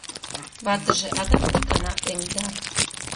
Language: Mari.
Ватыже адак икана эҥда...